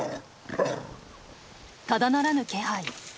ただならぬ気配。